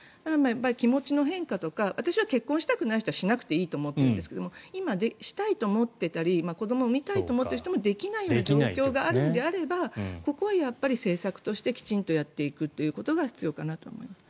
気持ちの変化とか私は結婚したくない人はしなくていいと思うんですが今、したいと思ってたり子どもを産みたいと思っている人もできない状況があるのであればここは政策としてきちんとやっていくことが必要かなと思います。